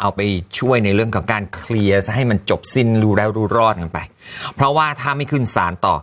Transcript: เอาไปช่วยในเรื่องของการเคลียร์ให้มันจบสิ้นรู้แล้วรู้รอดกันไปเพราะว่าถ้าไม่ขึ้นสารต่อ